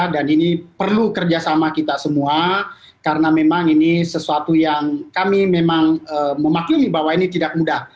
dan ini perlu kerjasama kita semua karena memang ini sesuatu yang kami memang memaklumi bahwa ini tidak mudah